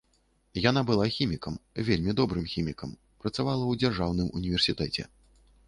Яна была хімікам, вельмі добрым хімікам, працавала ў дзяржаўным універсітэце.